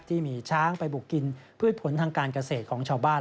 ที่มีช้างไปบุกกินพืชผลทางการเกษตรของชาวบ้าน